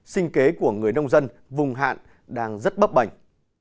sinh kế của người nông dân vùng hạn đang rất bấp bảnh